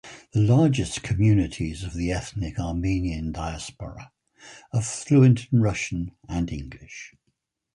The largest communities of the ethnic Armenian diaspora are fluent in Russian and English.